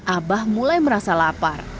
abah mulai merasa lapar